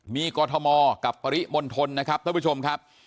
มีกรทมกับปริมณฑลนะครับท่านผู้ชมครับ